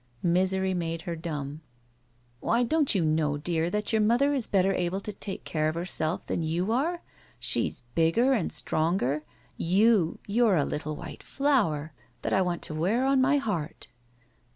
Misery made her dumb. *'Why, don't you know, dear, that your mother is better able to take care oi herself than 3rou arc? She's bigger and sti^jnger^ You ^you're a little white flower, that I want to wear ou my heart."